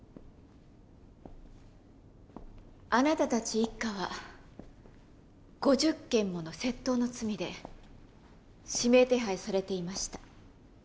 あなたたち一家は５０件もの窃盗の罪で指名手配されていました。